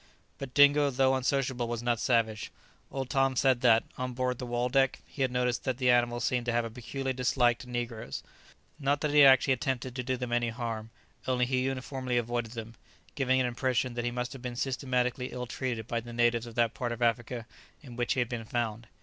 But Dingo, though unsociable, was not savage. Old Tom said that, on board the "Waldeck," he had noticed that the animal seemed to have a particular dislike to negroes; not that he actually attempted to do them any harm, only he uniformly avoided them, giving an impression that he must have been systematically ill treated by the natives of that part of Africa in which he had been found.